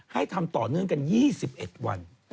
ให้ทำต่อเนื่องกัน๒๑วัน